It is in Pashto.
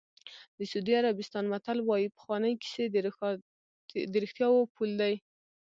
د سعودي عربستان متل وایي پخوانۍ کیسې د رښتیاوو پل دی.